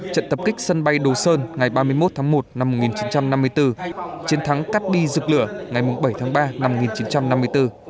trận tập kích sân bay đồ sơn ngày ba mươi một tháng một năm một nghìn chín trăm năm mươi bốn chiến thắng cát bi dược lửa ngày bảy tháng ba năm một nghìn chín trăm năm mươi bốn